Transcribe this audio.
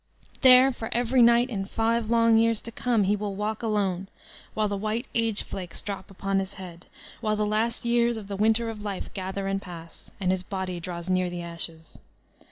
There, for every night in five long years to come, he will walk alone, while the white age flakes drop upon his head, while the last years of the winter of life gather and pass, and his body draws near the ashes.